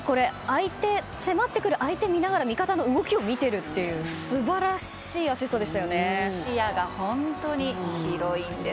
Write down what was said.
迫ってくる相手を見ながら味方の動きを見るという視野が本当に広いんです。